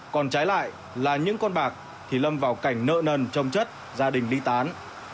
còn trái lại là những con bạc thì lâm vào cảnh nợ nần trong chất gia đình đi tán